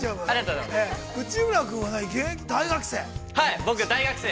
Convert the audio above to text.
◆内村君は、現役大学生？